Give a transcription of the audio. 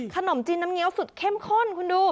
ขนมจีนน้ำเงี้ยวสุดเข้มข้นคุณดู